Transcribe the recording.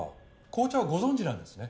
校長はご存じなんですね。